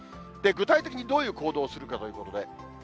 具体的にどういう行動をするかということで。